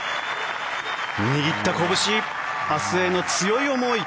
握ったこぶし明日への強い思い。